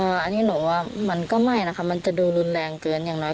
อันนี้หนูว่ามันก็ไม่นะคะมันจะดูรุนแรงเกินอย่างน้อย